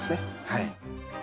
はい。